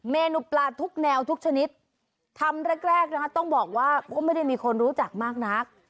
เมนูปลาทุกแนวทุกชนิดทำแรกแรกนะคะต้องบอกว่าก็ไม่ได้มีคนรู้จักมากนัก